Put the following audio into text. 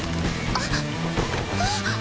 あっ！